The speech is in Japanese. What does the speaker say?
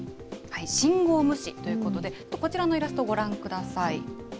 信号無視ということで、こちらのイラストをご覧ください。